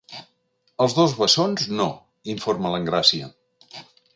Els dos bessons no –informa l'Engràcia.